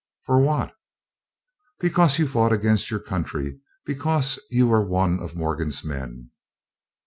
"For what?" "Because you fought against your country; because you were one of Morgan's men."